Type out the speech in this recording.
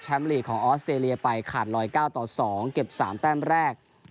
แชมป์ลีกของออสเตรเลียไปขาดรอยเก้าต่อสองเก็บสามแต้มแรก